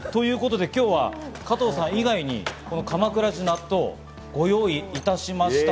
今日は加藤さん以外にこの鎌倉路納豆をご用意しました。